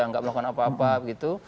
nggak melakukan apa apa begitu